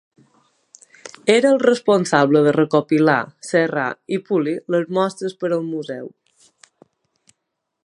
Era el responsable de recopilar, serrar i polir les mostres per al museu.